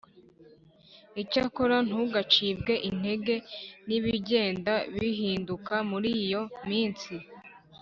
Icyakora ntugacibwe intege n ibigenda bihinduka muri iyo minsi